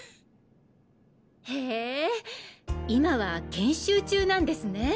へぇ今は研修中なんですね。